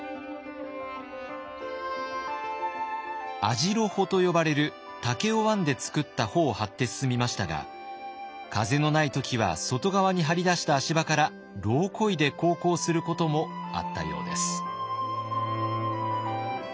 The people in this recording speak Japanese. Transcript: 網代帆と呼ばれる竹を編んで作った帆を張って進みましたが風のない時は外側に張り出した足場から櫓をこいで航行することもあったようです。